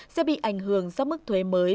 sẽ bị ảnh hưởng do mức thuế mới